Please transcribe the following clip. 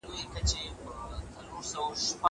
دا اوبه له هغو تازه دي.